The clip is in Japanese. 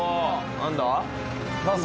・何だ？